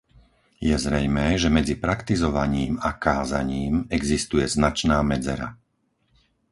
Je zrejmé, že medzi praktizovaním a kázaním existuje značná medzera.